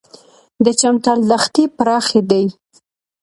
د چمتال دښتې پراخې دي